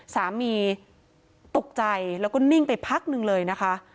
สามีตกใจแล้วก็นิ่งไปพักหนึ่งเลยนะคะ